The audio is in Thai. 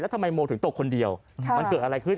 ทำไมโมถึงตกคนเดียวมันเกิดอะไรขึ้น